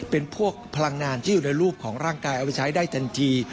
เป็นพวกพลังงานที่อยู่ในรูปของร่างกายเอาไว้ใช้ได้ทันที